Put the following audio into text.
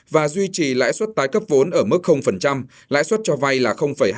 và duy trì lãi suất tái cấp vốn ở mức lãi suất cho vay là hai mươi